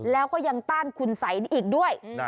แล้วก็ยังต้านคุณสัยอีกด้วย